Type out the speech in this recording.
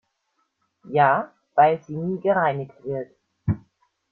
Ja, weil sie nie gereinigt wird.